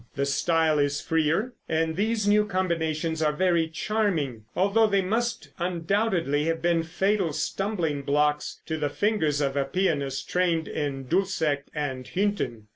The style is freer, and these new combinations are very charming, although they must undoubtedly have been fatal stumbling blocks to the fingers of a pianist trained in Dussek and Hünten.